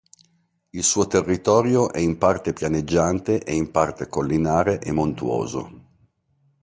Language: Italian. Il suo territorio è in parte pianeggiante e in parte collinare e montuoso.